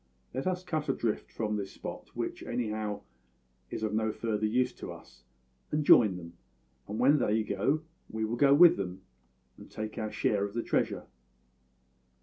Let us cut adrift from this spot which, anyhow, is of no further use to us and join them; and when they go, we will go with them, and take our share of the treasure.'